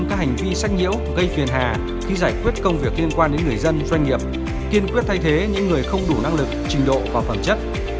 các hành vi sách nhiễu gây phiền hà khi giải quyết công việc liên quan đến người dân doanh nghiệp kiên quyết thay thế những người không đủ năng lực trình độ và phẩm chất